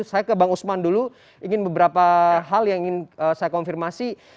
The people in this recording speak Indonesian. saya ke bang usman dulu ingin beberapa hal yang ingin saya konfirmasi